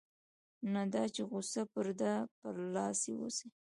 نه دا چې غوسه پر ده برلاسې اوسي.